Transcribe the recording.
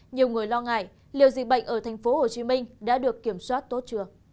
nhiều người lo ngại liệu dịch bệnh ở tp hcm đã được kiểm soát tốt chưa